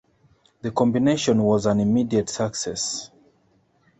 The combination was an immediate success.